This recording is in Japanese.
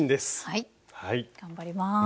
はい頑張ります。